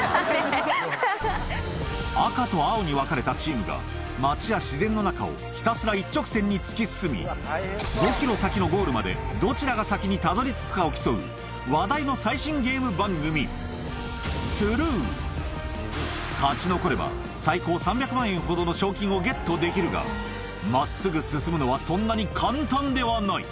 赤と青に分かれたチームが街や自然の中をひたすら一直線に突き進み５ｋｍ先のゴールまでどちらが先にたどり着くかを競う話題の最新ゲーム番組勝ち残れば最高３００万円ほどの賞金をゲットできるが真っすぐ進むのはそんなに簡単ではない